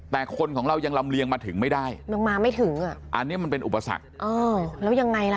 แต่คนของเรายังลำเลียงมาถึงไม่ได้อันนี้มันเป็นอุปสรรค